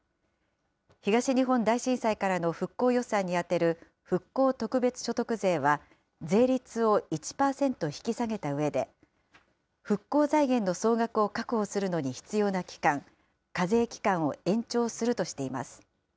東日本大震災からの復興予算に充てる復興特別所得税は、税率を１％引き下げたうえで、復興財源の総額を確保するのに必要な期間、課税期間を延長するとしています。